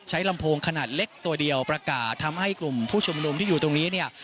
ลำโพงขนาดเล็กตัวเดียวประกาศทำให้กลุ่มผู้ชุมนุมที่อยู่ตรงนี้เนี่ย